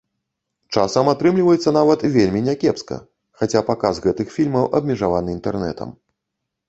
Часам атрымліваецца нават вельмі не кепска, хаця паказ гэтых фільмаў абмежаваны інтэрнэтам.